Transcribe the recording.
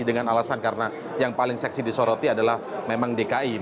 dengan alasan karena yang paling seksi disoroti adalah memang dki